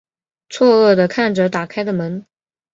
错愕的看着打开的门